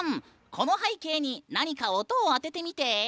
この背景に何か音を当ててみて。